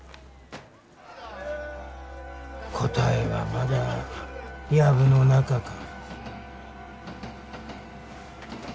答えはまだヤブの中か。